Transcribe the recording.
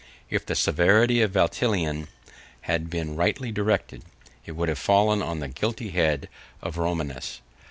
If the severity of Valentinian had been rightly directed, it would have fallen on the guilty head of Romanus.